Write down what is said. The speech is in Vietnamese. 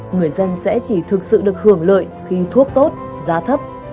người dân sẽ chỉ thực sự được hưởng lợi khi thuốc tốt giá thấp